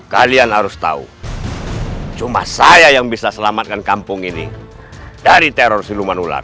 kalian harus tahu cuma saya yang bisa selamatkan kampung ini dari teror siluman ular